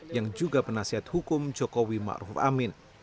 yang juga penasihat hukum jokowi ma'ruf amin